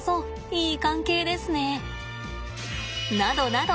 いい関係ですね。などなど